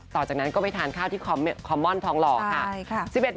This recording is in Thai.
ต่อจากนั้นก็ไปทานข้าวที่คอมม่อนทองหล่อค่ะ